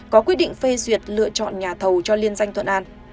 có quyết định phê duyệt lựa chọn nhà thầu cho liên danh thuận an